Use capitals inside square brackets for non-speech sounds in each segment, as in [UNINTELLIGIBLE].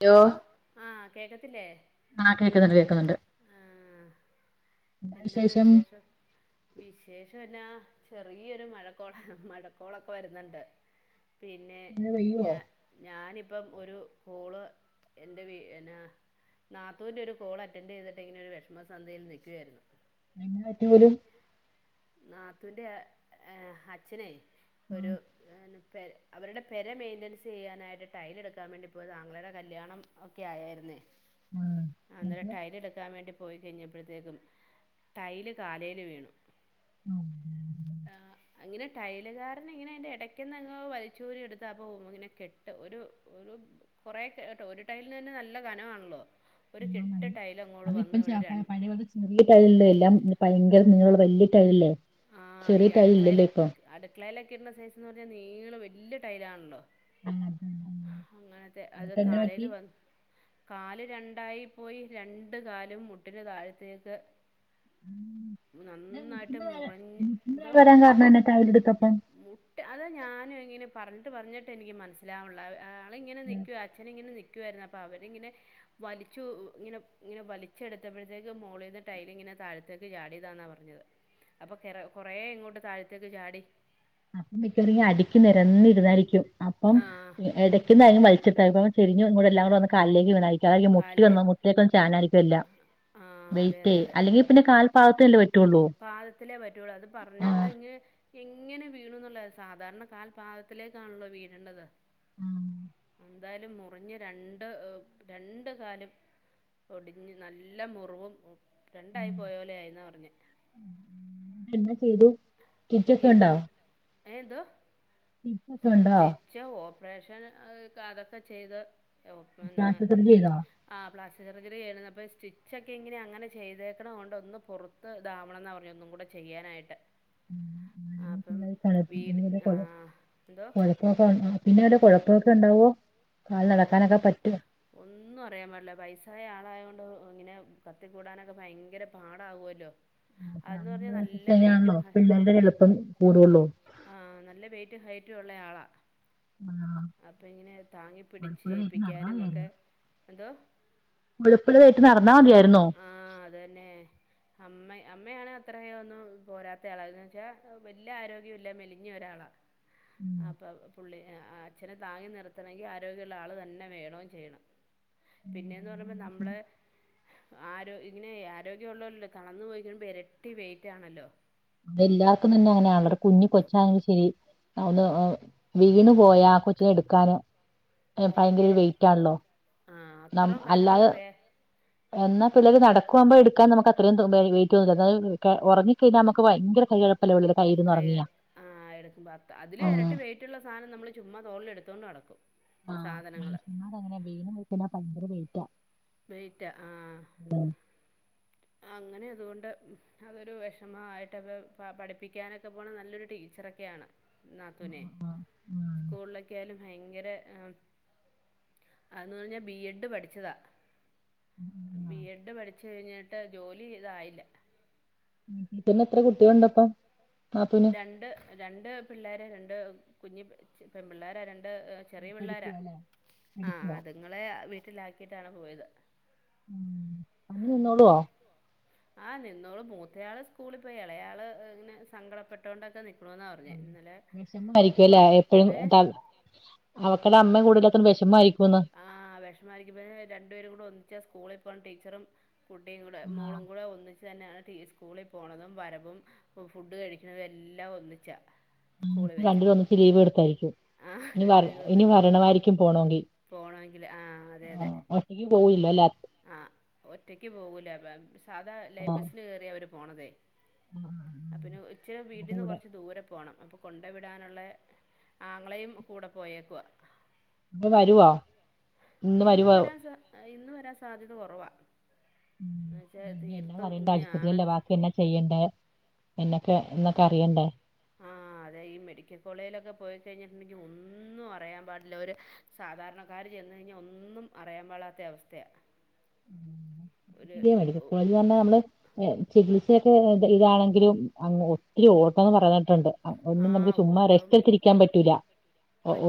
Hello ആഹ് കേക്കത്തില്ലേ? ആഹ് കേക്ക്ന്നുണ്ട് കേക്ക്ന്ന്ണ്ട് എന്താണ്ട് വിശേഷം വിശേഷേന്നാ ചെറിയൊരു മഴക്കോള മഴക്കോളൊക്കെ വരുന്നുണ്ട് പിന്നെ മഴ പെയ്യോ ഞാ ഞാനിപ്പം ഒരു കോള് എന്റെ വീ എന്നാ നാത്തൂന്റെ ഒരു കോൾ അറ്റന്റ് ചെയ്തിട്ട്ങ്ങനെ ഒരു വിഷമസന്ധയിൽ നിൽക്കുവായിരുന്നു എന്ന പറ്റി പോലും നാത്തുന്റെ അച്ഛനെ ഒരു ആഹ് പെ അവരുടെ പെരെ മെയിന്റെൻസെയ്യാനായിട്ട് ടൈലെടുക്കാൻ വേണ്ടി പോയത ആങ്ങളെടെ കല്യാണം ഓക്കെ ആയായിര്ന്നേ ആഹ് അന്നേരം മറ്റേ ട്ടൈലെടുക്കാൻ വേണ്ടി പോയി കഴിഞ്ഞപ്പഴ്ത്തേക്കും. ട്ടൈല് കാലേല് വീണു. [UNINTELLIGIBLE] ആഹ് ങ്ങെനെ ടൈലുകാരനിങ്ങനെ അയ്ന്റെ ഇടക്കിന്നങ്ങ് വലിച്ചൂരി എടുത്താപ്പോ ങ്ങനെ കെട്ട ട്ട ഒരു ഒരു കൊറെ കേട്ടോ ഒരു ടൈൽനന്നെ നല്ല കനവാണല്ലോ? ഒരു ആഹ് കെട്ട് ടൈലങ്ങോട്ട് വന്ന് വീണ് രണ്ട് ചെറിയട്ടൈലില്ല എല്ലാം ഭയങ്കര നീളള്ള വല്യ ടൈലല്ലേ ആ ഈ ചെറിയ ട്ടൈലില്ലല്ലോ അടുക്കളയിലെ ഇപ്പം അടുക്കളയിലൊക്കെ ഇടുന്ന സൈസ്ന്ന് പറഞ്ഞാൽ നീള വല്യ ടൈലാണല്ലോ ആഹ് അതാണ്. ആഹ് അങ്ങനത്തെ അത് എന്നിട്ട് എന്നാ പറ്റി കാലേല് വന്ന് കാല് രണ്ടായി പോയി രണ്ട് കാലും മുട്ടിന് താഴത്തേക്ക് ഏഹ് നന്നായ്ട്ട് മുട്ടിന്റെ വേദന മുറിഞ്ഞ് മുട്ടിന്റെ എന്തോ വേദന വരാൻ കാരണം എന്നാ ടൈലെടുത്തപ്പം അത ഞാനും ഇങ്ങനെ പറഞ്ഞിട്ട് പറഞ്ഞിട്ട് എനിക്ക് മനസ്സിലാവ്ൺള്ള ആള്ങ്ങനെ നിക്ക്യുവാ അച്ഛനിങ്ങനെ നിക്കുവായ്രുന്നു അപ്പൊ അവരിങ്ങനെ വലിച്ചു ഇങ്ങനെ ഇങ്ങനെ വലിച്ചെടുത്തപ്പോഴത്തേക്ക് മോളിന്ന് ടൈല്ങ്ങനെ താഴ താഴത്തേക്ക് ചാടിയതാന്നാ പറഞ്ഞത് അപ്പൊ കുറേ ഇങ്ങോട്ട് താഴത്തേക്ക് ചാടി അപ്പം മിത്തറിങ്ങ അടിക്കും നിരന്നിരുന്നടിക്കും അപ്പം ആ എടക് റ്റ്ന്ന് വലിച്ചിട്ടായിപ്പം ചെരിഞ്ഞുംഎല്ലാംകൂടെ വന്ന് കാലിലേക്ക് വീണായികും മുട്ടി കാലിൽ വന്ന മുട്ടിവൊന്നും ചാനായിരിക്കു വെല്ലാം. ആ അതെ അതെ വെയ്റ്റെയ് അതെ അല്ലെങ്കിപിന്നെ കാൽപ്പാദത്തല്ല പറ്റു പാദത്തിലേ പറ്റുള്ളൂ അത് ആഹ് പറഞ്ഞിട്ട്ഞ്ഞ് എങ്ങനെ വീണുന്നുള്ളത്. സാധാരണ കാൽപാദത്തിലേക്കാണല്ലോ വീഴണ്ടത്. [UNINTELLIGIBLE] എന്തായാലും മുറിഞ്ഞ രണ്ട് രണ്ട് കാലും. പൊടിഞ്ഞ് നല്ല മുറിവും രണ്ടായി പോയ പോലായിന്ന പറഞ് എന്നാ ചെയ്തു സ്റ്റിച്ചൊക്കെ ഉണ്ടോ? ഏ എതോ? ക്കോണ്ടാ ച്ച ഓപ്പറേഷൻ അതൊക്കെ ചെയ്ത് ഒ പിന്നെ പ്ലാസ്റ്റിക് സർജറി ചെയ്തോ ആ പ്ലാസ്റ്റോർജറി ചെയ്യുന്നത് അപ്പോ സ്റ്റിച്ചൊക്കെ ഇങ്ങനെ അങ്ങനെ ചെയ്തേക്കണെ കൊണ്ട് ഒന്ന് പുറത്ത് ത് താവണം ന്നാ പറഞ്ഞ് ഒന്നും കൂടെ ചെയ്യാനായിട്ട്. ആ അപ്പം വീട് ആ എന്തോ? ക്കെ കാൽമുട്ടിൻ്റെവ്ടെ കുഴപ്പമൊക്കെ ഉണ്ടാവോ? കാൽ കോ ഒന്ന് നടക്കാനൊക്കെ പറ്റുവോ ഒന്നും അറിയാൻ പാടില്ല. വൈസായ ആളായ കൊണ്ട് ഇങ്ങനെ കത്തിക്കൂടാനൊക്കെ ഭയങ്കര പാടകുവല്ലോ? ന്നാണല്ലോ ഹ- പിള്ളേർടെ എളുപ്പം കൂടുള്ളൂ. ആ നല്ല വെയിറ്റും ഹൈറ്റും ഉള്ള ആളാ. ആഹ് അപ്പൊ ഇങ്ങനെ താങ്ങി മുഴപ്പുള്ളതായിട്ട് നടന്നാ പ്പിടിച്ചെയിപ്പിക്കാനും ഒക്കെ എന്തോ? എളുപ്പ്തായിട്ട് നടന്നാൽ മതിയാരുന്നോ. ആഹ് അത് തന്നെ. അമ്മ അമ്മയാണ് അത്ര ഒന്നും പോരാത്ത ആളാന്ന്. ന്ന് വെച്ചാൽ വല്യാ ആരോഗ്യം ഇല്ല മെലി ഒരാളാ അപ്പൊ പുള്ളി അച്ഛനെ താങ്ങി നിർത്തണങ്കി രോഗ്യ തന്നെ വേണൊ ചെയണം. പിന്നെന്ന് പറയുമ്പോ നമ്മളെ ആരോ ഇങ്ങനെ ആരോഗ്യം ഉള്ളല്ല്ലേ തളർളന്നു പോയിപോ ഇരട്ടി വെയിറ്റാണല്ലോ? തല്ലാർക്കും തന്നെ അങ്ങനെ ആണല്ലോ? കുഞ്ഞി കൊച്ചാണെങ്കിലും ശെരി അതു ഓ വീണ് പോയാ ആ കൊച്ചിനെ എടുക്കാനും ഭയങ്കര ഒരു വെയിറ്റാണല്ലോ? ആ ന്നം അത്രയും കനമുള്ള അല്ലാതെ വേ എന്നാ പിള്ളേര് നടക്കുവാമ്പോ എടുക്കാൻ നമുക്ക് അത്രയും വെയ്റ്റ് തോന്ന്ല്ല എന്ന ഉറങ്ങിക്കഴിഞ്ഞ ഭയങ്കര കൈകഴപ്പ. കൈ ആ എടുക്കുമ്പോ അത്ത അതില് ആഹ് യരട്ടി വെയിറ്റ് റ്റുള്ള സാധനം നമ്മള് ചുമ്മ തോളില് എടുത്തൊണ്ട് നടക്കും സാധനങ്ങള് അങ്ങനെ വീണയ്ക്ണാ ഭയങ്കര വെയറ്റാ. വെയിറ്റ് ആ അങ്ങനെ അതുകൊണ്ട്. അതൊരു വിഷമായിയിട്ടപ്പ പഠിപ്പിക്കാനൊക്കെ പോകണ നല്ല നല്ലൊരു ടീച്ചറൊക്കെയാണ് നാത്തൂനെ സ്കൂളിലൊക്കാലും ഭയങ്കര അതന്ന് പറഞ്ഞാൽ ബി എഡ് പഠിച്ചതാ ബി എഡ് പഠിച്ച കഴിഞ്ഞിട്ട് ജോലി ഇതായില്ല ീന്നെ എത്ര കുട്ടികളുണ്ട്പ്പം നാത്തൂന് രണ്ട് രണ്ട് പിള്ളേർ രണ്ട് കുഞ്ഞു പിള്ളേർ രണ്ട് ചെറിയ പിള്ളോരാ പഠിക്കുവാ അല്ലേ ആഹ് പഠിക്കുവാ അതുങ്ങളെ വീട്ടിലാക്കിട്ടാണ് പോയത് ഉം തന്നെ നിന്നോളുവോ ആ ആഹ് നിന്നോളും മൂത്തയാള് സ്കൂളിപ്പോവും ഇളയാള് ഇങ്ങനെ സങ്കടപ്പെട്ടോണ്ടൊക്കെ ന ക്കണെന്നാണ് പറഞ്ഞത് ഇന്നലെ വിഷമായിരിക്കും അല്ലേ കുഴപ്പം ഏഹ എപ്പഴും അവക്കടെ അമ്മയും കൂടെല്ലാത്തോണ്ട് വിഷമായിരിക്കുംന്ന് ആ വിഷമായിരിക്കുമ് രണ്ടുപേരും കൂടെ ഒന്നിച്ചാ സ്കൂളിൽ പോകുന്ന ടീച്ചറും കുട്ടിയും കൂ മോളും കൂടെ ഒന്നിച്ചെന്നാണ് ടീച്ച സ്കൂളിൽ പോണതും വരവും ഫുഡ് കഴിക്കുന്നതും എല്ലാം ഒന്നിച്ചാ ആ സ്കൂളിൽ ഇപ്പ വെച്ച് രണ്ടര ഒന്നിച്ച് ലീവ് എടുത്തായിരിക്കും ആഹ് ഇനി വര ഇനി വരണമായിരിക്കും പോണമെങ്കിൽ പോകണമെങ്കില് ആ അതെ അതെ ഈയ് പോയില്ലാല്ലെ ആ ഒറ്റക്ക് പോകൂല സാധാ ലൈൻബസിന് കയറിയ അവര് പോണതേ പിന്നെ ഉച്ച വീടിന്ന് കൂടെ കൊറച്ച് ദൂരെ പോകണം അപ്പോൾ കൊണ്ടു വിടാനുള്ള ആങ്ങളെയയും കൂടെ പോയേക്കുവാ ഇപ്പൊ വരുവോ ഇന്ന് വരാൻ സ ഇന്ന് വരാൻ സാധ്യത കുറവാ ഉം. ന്നുവച്ചാ തീർത്തും ഇങ്ങനെയാണല്ലോ പിന്നെ ചെയ്യണ്ടെ? ന്നൊക്കെ എന്നൊക്കെ അറിയണ്ടേ ആഹ് അതെ ഈ മെഡിക്കൽ കോളേജിലൊക്കെ പോയി കഴിഞ്ഞിട്ടുണ്ടെങ്കിൽ ഒന്നും അ പറയാൻ പാടില്ല ഒരു സാധാരണക്കാര് ചെന്ന് കഴിഞ്ഞാൽ ഒന്നും അറിയാൻ പാടാത്ത അവസ്ഥയ കോള വന്ന നമ്മള് ചികിത്സയൊക്കെ ഇതാണെങ്കിലും ഒത്തിരി ഓട്ടംന്ന് പറഞ്ഞിട്ടുണ്ട് അപ്പ ന്നും ആ നമുക്ക് ചുമ്മാ ഓട്ടം റെസ്റ്റ് എടുത്തിരിക്കാൻ പറ്റൂല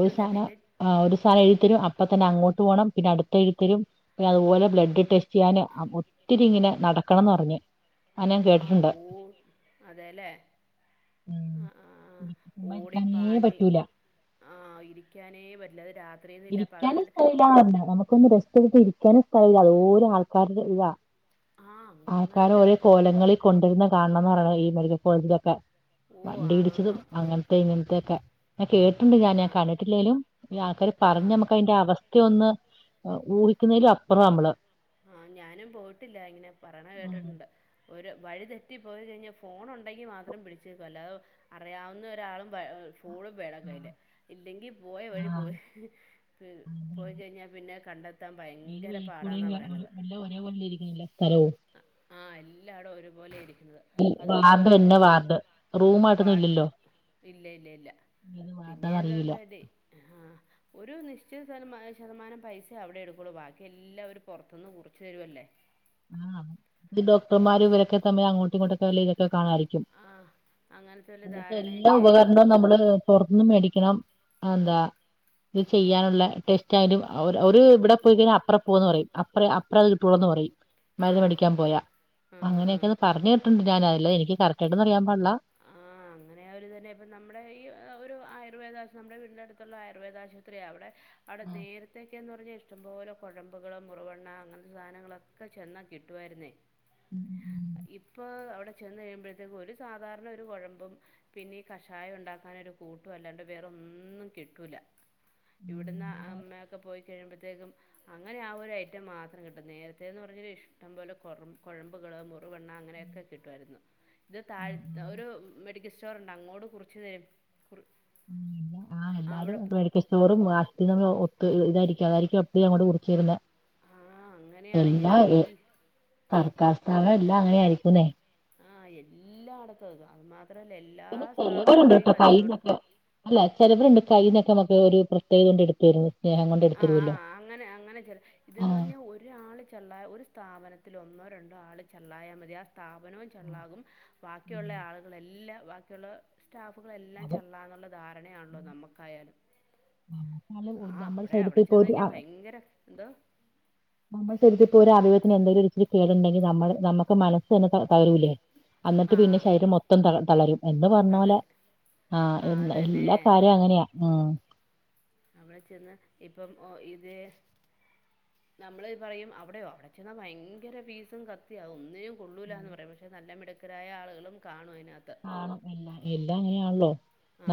ഒരു സാനം പിന്നെ ആ ഒരു സ്ഥാനം അപ്പപ്പോ തന്നെ അങ്ങോട്ട് പോകണം പിന്നെ അടുത്ത് എഴുത്തരും അതുപോലെ ബ്ലഡ് ട് ടെസ്റ്റ് ചെയ്യാന് ഒത്തിരി ഇങ്ങനെ നടക്കണംന്ന് പറഞ്ഞ് അത് ഞാൻ ആ കേട്ടിട്ടുണ്ട് ഊ അതെല്ലേ ഉം ആ ആ ഇരി- ചുമ്മാ ഇരിക്കാനേ ഓടിപ്പാഞ് പറ്റൂല ആ ഇരിക്കാനേ പറ്റില്ലെ രാത് ഇരിക്കാനും സ്ഥലല്ല നമുക്കൊന്ന് റെസ്റ്റെടുത് ഇരിക്കാനും സ്ഥലല്ലത് ഓരോ ആൾക്കാരുടെ ഇതാ ആ ആൾക്കാര അങ്ങനത്തെ ഒരേ അത്. കോലങ്ങളിൽ കൊണ്ടുവരുന്ന കാണണംന്ന് പറയണം ഈ മെരിക്കൽ കോളേജിലൊക്കെ ഓ വണ്ടിയിടിച്ചതും ആണോന്നോ അങ്ങനത്തെ ഇങ്ങനത്തെക്കെ ഞൻ കേട്ടുണ്ട് ഞാൻ ആ ഞാൻ കണ്ടിട്ടില്ലെേലും ഈ ആൾക്ക ആ പറഞ്ഞഞ് നമുക്ക് അതിന്റെ അവസ്ഥയ ഒന്ന് ഊഹിക്കുന്നതിലും അപ്പുറ മ്മള് ആഹ് ഞാനും പോയിട്ടില്ല ങ്ങനെ പറണ ഉം കേട്ടിട്ടുണ്ട് ഒരു വഴിതെറ്റിപ്പോയി കഴിഞ്ഞാൽ ഫോണ ഉണ്ടെങ്കിൽ മാത്രം പിടിച്ചേൽക്കല്ലോ അല്ലാതെ അറിയാവുന്ന ഒരാളും ഫൂളും വേണം ആഹ് കയ്യില് ഇല്ലെങ്കിൽ പോയ വഴി ആഹ് പോയി അതന്നെ പോയിക്കഴിഞ്ഞാൽ പിന്നെ കണ്ടെത്ത ത്താ ഭയങ്കര പാടാന്ന പറയണ് ഒരേ കൊള്ളിരിക്കുന്നില്ല സ്ഥലവും ആ എല്ലാ ട ഒരുപോലെ ഇടിക്കുന്നത് ഈ വാർഡ് അതുപോലെ തന്നെ വാർഡ് വാ റൂമായിട്ടൊന്നും ഇല്ലല്ലോ ഇല്ല ഇല്ല ഇല്ല ഏത് വാർഡാന്ന് അറിയൂല്ല പിന്നെണ്ടായാൽ ഒരു നിശ്ചിത ശതമാ ശതമാനം പൈസ അവിടെ എടുക്കളൂ ബാക്കി എല്ലാവര് പുറത്ത നിന്ന് കുറച്ച് തരുവല്ലേ ആ ഇ ഡോടർമാർ ഇവരൊക്ക തമ്മെ- അങ്ങോട്ട, ഇങ്ങോട്ടക്കെ- വലയിലൊക്കെ കാണാരിക്കും. ആഹ് അങ്ങനത്തെ വല്ല എല്ലാ ധാരണയൊക്കെ ആയിരിക്കും ഉപകരണവും നമ്മള്- പുറത്ത്ന്ന് മേടിക്കണം, എന്താ ഇത് ചെയ്യാനുള്ള ടെസ്റ്റ്- ഒരു ഇവിടെ പോയി കഴിഞ്ഞൽ- അപ്പറ പോന്ന് പറയും അപ്പറ അറേ അത് കിട്ടുള്ളന്ന് പറയും. മരുത ആഹ് മടിക്കാൻ പോയാ ആഹ് ആഹ് അങ്ങനെയൊക്കെ ആഹ് ഒന്ന് പറഞ്ഞു കേട്ടുണ്ട് ഞാന അല്ല എനിക്ക് കറക്റ്റായിട്ട് ഒന്നും അറിയാൻ പാടില്ല. ആഹ്... അങ്ങനെ അവർ തന്നെ ഇപ്പ നമ്മുടെ ഈ ഒരു ആയുർവേദ- നമ്മുടെ വീടിന്റെ അടുത്തുള്ള- ആയുർവേദ ആശുപത്രി അവിടെ, അട ആഹ് നേരി- ഇത്തേക്കന്ന് പറഞ്ഞാൽ, ഇഷ്ടംപോലെ കുഴമ്പൾ മുറുവെണ്ണ- അങ്ങനത്തെ സാധനങ്ങളൊക്കെ ചെന്നാൽ കിട്ടുവായിരുന്നേ. ഉം ഉം ഇപ്പോ അവിടെ ചെന്ന് കഴിയുമ്പോഴത്തേക്കും, ഒരു സാധാരണ ഒരു കുഴമ്പും, പിന്നെ കഷായം ഉണ്ടാക്കാനൊരു- കൂട്ടും അല്ലാണ്ട് വേറൊന്നും കിട്ടൂല. ഉം ഇവിടന്ന് ഉം അമ്മയൊക്കെ പോയി കഴിയുമ്പോഴത്തേക്കും- അങ്ങനെ ആ ഒരു ഐറ്റം മാത്രം കിട്ടും, നേരത്തെന്ന് പറഞ്ഞ ഇഷ്ടം പോലെ കുഴമ്പുകൾ മു- റി വെണ്ണ അങ്ങനെയൊക്കെ കിട്ടുമായിരുന്നു, ഇത് ഉം താഴ്- ഉം, ഉം. ഒരു മെഡിക്കൽ സ്റ്റോർണ്ട് അങ്ങോട്ട് കുറീച് തെരും. ആഹാ എല്ലാരും മെഡിക്കൽ സ്റ്റോറു വാ - ത്തിനു ഒത്ത് ഇതായിരിക്കും, അതായിരിക്കും എപ്പ ഞങ്ങൂടെ- കുറിച്ചിരുന്നത്. ആ അങ്ങനെയാണ് എല്ലാ എൽ ഏ തർക്കാ സ്താവണം- എല്ലാം അങ്ങനെയ ആയിരിക്കുന്നേ. ആഹാ എല്ലാ അടത്തത് അത്- മാത്രല്ല എല്ലാ ചിലവരുണ്ട് സ്ഥാപനങ്ങളും ഈ കേട്ടോ കച്ചവടം, കൈന്നൊക്കെ അല്ല ചിലവരുണ്ട് കൈയിന്നൊക്കെ- നമക്കക്ക് ഒരു പ്രത്യേകത കൊണ്ട് എടുത്തുവരുന്നു. ആഹ ആഹ ആഹ അങ്ങനെ അങ്ങനെ [UNINTELLIGIBLE] ആ ഇതന്ന്, പറഞ്ഞാ ഒരാള് ചള്ളായാൽ ഒരു സ്ത്രീ- സ്ഥാപനത്തിൽ ഒന്നോ, രണ്ടോ ആൾ ചള്ളായാൽ മതി. ആ സ്ഥാപനവും ആ, ചൊള്ളാകും, ബാക്കിയുള്ള ഉം. ആളുകൾ- എല്ലാം ബാക്കിയുള്ള- സ്റ്റാഫുകളെല്ലാം അത് ചള്ളാണ് എന്നുള്ള ധാരണയാണല്ലോ? നമുക്കായാലും. [UNINTELLIGIBLE] അവിടെ, അവിടെ ചെന്ന് ഒരു കഴിഞ്ഞാൽ ഭയങ്കര എന്തോ- നമ്മൾ ശരിക്കും ഇപ്പോൾ ഒരു [UNINTELLIGIBLE] എന്തെങ്കിലും- ഇച്ചിരി കേടു ഉണ്ടെങ്കിൽ നമ്മൾ നമുക്ക് മനസ് തന്ന തളരൂലേ? എന്നിട്ട് പിന്നെ ആഹ് ശരീരം മൊത്തം- തളരും എന്ന് പറഞ്ഞ പോലെ. തളര് ആഹാ ആഹ് അത് എന്ന തന്നെ എല്ലാ കാര്യവും അങ്ങനെയാ. മം... അവിടെ ചെന്ന് ഇപ്പം ഓ ഇതെ - നമ്മൾ പറയും അവിടെയോ അവിടെ ചെന്നാ ഭയങ്കര ഫീസും കത്തിയാ ഒനിന്നും- കൊള്ളൂലന്ന് പറയും, പക്ഷെ നല്ല മിടുക്കരായ ആളുകളും കാണും അതിനകത്ത്. കാണും എല്ല എല്ലാം അങ്ങനെയാണല്ലോ,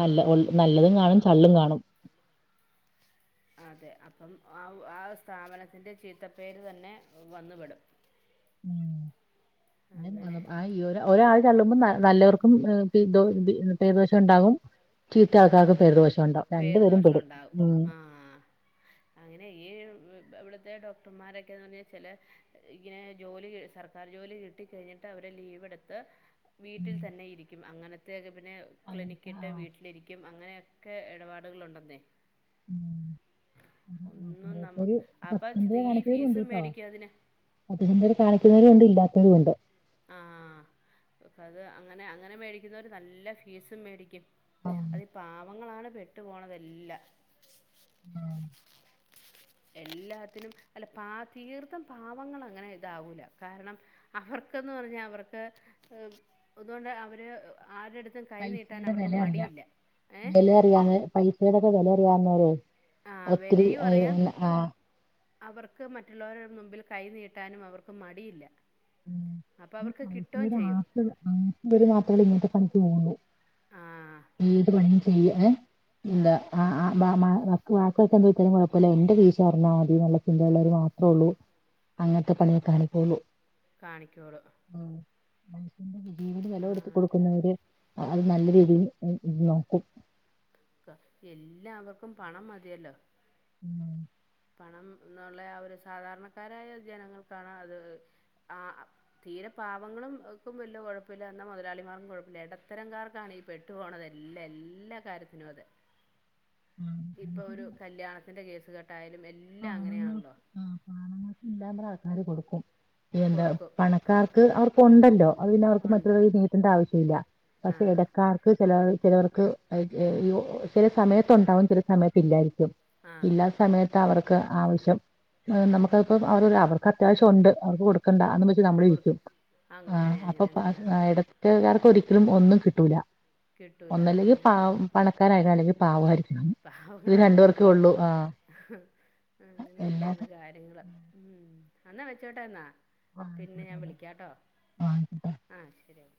നല്ല നല്ലതും കാണും ചള്ളും കാണും. അതെ അപ്പം ആ ആ.. സ്ഥാപനത്തിന്റെ ചീത്തപ്പേര് തന്നെ വന്നുപെടും. ഉം [INAUDIBLE] ആ ഒരാൾ ചള്ളുമ്പോ നല്ലവർക്കും പേരുദോഷം ഉണ്ടാകും. ചീത്ത ആകാതെ പേരുദോഷം- ഉണ്ടാകും രണ്ട് പേര് പേരും ദോഷം പെടും ഉണ്ടാകും ഉം.. ആ അങ്ങനെ ഈ ഇവിടുത്തെ- ഡോക്ടർമാരൊക്കെന്ന് പറഞ്ഞാൽ, ചില ഇങ്ങനെ ജോലി സർക്ക- കാർ ജോലി കിട്ടി കഴിഞ്ഞിട്ട് അവര്- ലീവ് എടുത്ത്- ഉം. വീട്ടിൽ തന്നെ ഇരിക്കും- അങ്ങനത്തക്കെ പിന്നെ ക്ലിനിക്ക- അങ്ങനത്തെ ആ ഇട്ട് വീട്ടിലിരിക്കും അങ്ങനെ. ഒക്കെ ഇടപാടുക ഉണ്ടെന്നേ. ഉം ഒന്നും കൊറേ പേര് നമ്മക്ക് അപ്പ സത്യസന്ധത ഈ ഫീസും- മേടിക്ക അതിന്. അതിലും വലുത്- കാണിക്കുന്നവരും ണ്ട്, ഇല്ലാത്തവരും ഉണ്ട്. ആഹാ അപ്പ അത് അങ്ങനെ, അങ്ങനെ മേടിക്കുന്നര് നല്ല ഫീസും മേടിക്കും. ഉം. അതിൽ പാവങ്ങളാണ് പെട്ടു പോണത് എല്ലാം. ആഹാ എല്ലാത്തിനും അല്ല പാ തീർത്തും- പാവങ്ങൾ അങ്ങനെ ഇതാവൂല. കാരണം, അവർക്കന്ന് പറഞ്ഞാ, അവർക്ക്- അതുകൊണ്ട് അവര് ആരുടെയും അടുത്ത്- ത്തും കൈനീട്ടാൻ അവർക്ക് മടിയില്ല, ഏഹ.. പൈസടെ ഒക്കെ വിലറിയാവുന്നര് ആഹ് ഒത്തിരി - വിലയും അറിയാം [UNINTELLIGIBLE] അവർക്ക് മറ്റുള്ളവരുടെ മുമ്പിൽ- കൈനീട്ടാനും അവർക്ക് മടിയില്ല. അപ്പൊ അവർക്ക് കിട്ടുകയും ചെയ്യും ഇവർ [INAUDIBLE] മാത്രമല്ല ഇങ്ങത്തെ പണിക്ക് പോകുന്നുള്ളു ആഹ ഏത് പണിയും ചെയ്യുക ഏ ഇല്ല ആഹ ഹ മ വാക്കിയുള്ളവർക്കു എന്ത്‌ പറ്റിയാലും കുഴപ്പമില്ല എൻന്റെറെ കീശ നിറഞ്ഞാൽ മതി എന്നുള്ള ചിന്ത ഉള്ളവർ മാത്രേ ഉള്ളൂ അങ്ങനത്തെ പണിയൊക്കെ കാണിക്കുള്ളൂ കാണിക്കോളൂ ഉം മനുഷ്യന്റെ ജീവന് വില ആഹ് കൊടുക്കുന്നവർ അത് നല്ല രീതിയിൽ നോക്കും ക്ക എല്ലാവർക്കും പണം മതിയല്ലോ ഉം പണം എന്നുള്ള ഒരു സാധാരണക്കാരായ ജനങ്ങൾക്കാണ് അത് ആഹ തീരെ പാവങ്ങളും ഒ വല്ല കുഴപ്പില്ല എന്ന മുതലളിമാർകും കുഴപ്പില്ല ഇടത്തരംകാർക്കാണ് പെട്ടു പോണതെല്ലാ എല്ലാ കാര്യത്തിനും അതെ ആ. ഇപ്പൊ ഒരു കല്യാണത്തിന്റെ കേസ് കേട്ടായാലും എല്ലാം അങ്ങനെയാണല്ലോ ആഹ പാലങ്ങൊക്കെ [INAUDIBLE] ആൾക്കാർ കൊടുക്കും എന്താ കൊടുക്കും പണക്കാർക്ക് അവർക്കുണ്ടല്ലോ അത് പിന്നെ അവർക്ക് ഉണ്ട് മറ്റുള്ളവരുടെ അടുത്ത് കൈ നീട്ടേണ്ട ആവശ്യമില്ല ആ പക്ഷെ ഇടക്കാർക്ക് ചില ചിലവർക്ക് ചില സമയത്ത് ഉണ്ടാവും ചില സമയത്ത്ല്ലായിരിക്കും ആ ഇല്ലാത്ത സമയത്ത് അവർക്ക് ആവശ്യം നമുക്കപ്പോ അവ അവർക്ക് അത്യാവശ്യം ഉണ്ട് അവർക്ക് കൊടുക്കും നക്കണ്ടാ എന്ന് വെച്ച നമ്മളെ കൊടു ഇരിക്കും ആഹ അങ്ങനെ അങ്ങനെ അപ്പൊപ്പ അങ്ങനെയാണ് ഇടത്തുകാർക്ക് ഒരിക്കലും ഒന്നും കിട്ടൂല കിട്ടൂല അതന്നെ പണക്കാരായാ അല്ലെങ്കിൽ പാവയിരിക്കണം ഈ രണ്ടു പേർക്കേ പാവങ്ങളായിരിക്കും ഉള്ളൂ ആ അങ്ങനെയൊക്കെയാണ് എല്ലാവരും കാര്യങ്ങള് ഉം അന്നാ വെച്ചോട്ടെ എന്നാ. പിന്നെ ആയിക്കോട്ടെ ഞാൻ എന്നാ. വിളിക്കാംട്ടോ ആ, ആയിക്കോട്ടെ ആഹ ശരി ന്നാ